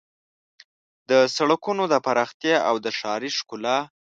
د سړکونو د پراختیا او د ښاري ښکلا